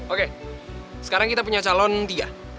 oke sekarang kita punya calon tia